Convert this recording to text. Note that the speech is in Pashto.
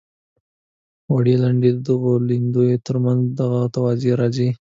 وړې لیندۍ د دغو لیندیو تر منځ هغه توضیح راځي.